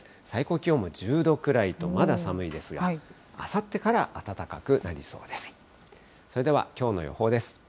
最高気温も１０度くらいと、まだ寒いですが、あさってから暖かくなりそうです。